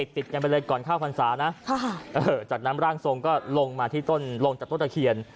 ติดกันไปเลยก่อนเข้าพรรษานะจากนั้นร่างทรงก็ลงมาที่ต้นลงจากต้นตะเคียน